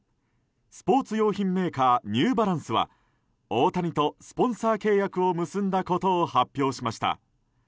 スポーツ用品メーカーニューバランスは大谷とスポンサー契約を結んだことを発表しました。